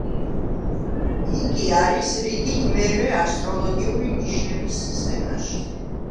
იგი არის რიგით მერვე ასტროლოგიური ნიშნების სისტემაში.